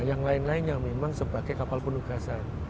yang lain lain yang memang sebagai kapal penugasan